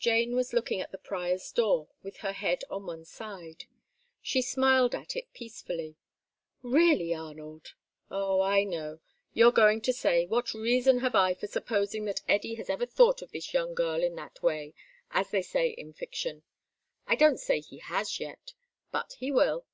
Jane was looking at the Prior's Door with her head on one side. She smiled at it peacefully. "Really, Arnold " "Oh, I know. You're going to say, what reason have I for supposing that Eddy has ever thought of this young girl in that way, as they say in fiction. I don't say he has yet. But he will.